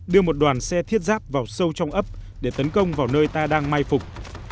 đưa một đoàn xe thiết giáp vào sâu trong ấp để tấn công vào nơi ta đang may phục